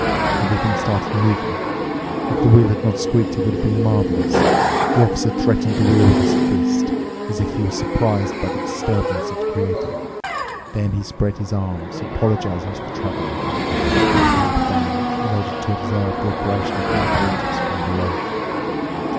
Everything started moving. If the wheel had not squeaked, it would have been marvelous. The officer threatened the wheel with his fist, as if he was surprised by the disturbance it created. Then he spread his arms, apologizing to the traveler, and quickly clambered down, in order to observe the operation of the apparatus from below.